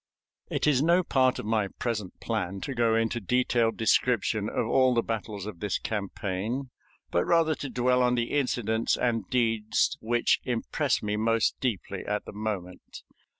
It is no part of my present plan to go into detailed description of all the battles of this campaign, but rather to dwell on the incidents and deeds which impressed me most deeply at the moment.